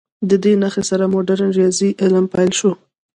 د دې نښو سره مډرن ریاضي علم پیل شو.